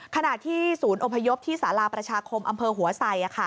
ขณะที่ศูนย์อพยพที่สาราประชาคมอำเภอหัวไส